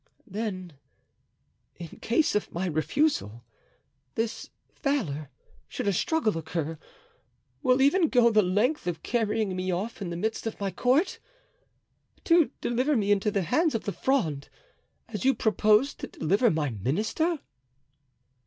"Then, in case of my refusal, this valor, should a struggle occur, will even go the length of carrying me off in the midst of my court, to deliver me into the hands of the Fronde, as you propose to deliver my minister?"